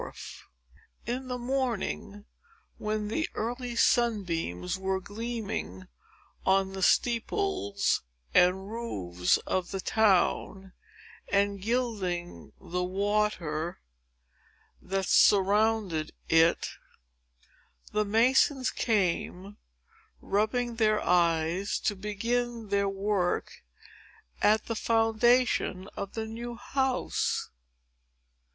BENJAMIN FRANKLIN—CONTINUED In the morning, when the early sunbeams were gleaming on the steeples and roofs of the town, and gilding the water that surrounded it, the masons came, rubbing their eyes, to begin their work at the foundation of the new house.